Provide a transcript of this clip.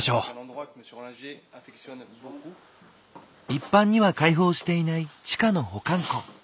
一般には開放していない地下の保管庫。